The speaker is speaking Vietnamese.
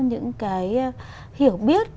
những cái hiểu biết